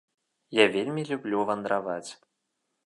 Я вельмі люблю вандраваць!